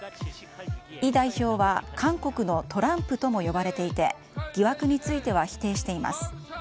イ代表は韓国のトランプとも呼ばれていて疑惑については否定しています。